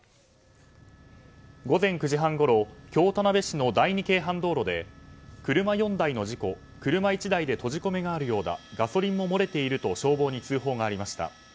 午前９時半ごろ京田辺市の第二京阪道路で車４台の事故車１台で閉じ込めがあるようだガソリンも漏れていると消防に通報がありました。